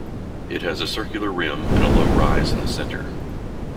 It has a circular rim and a low rise in the center.